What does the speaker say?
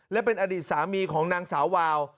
และเป็นอดีตสามีของนางสาววาว